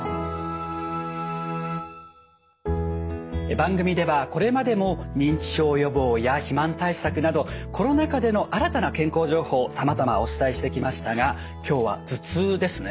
番組ではこれまでも認知症予防や肥満対策などコロナ禍での新たな健康情報さまざまお伝えしてきましたが今日は頭痛ですね。